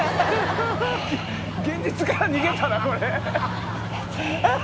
現実から逃げたなこれ。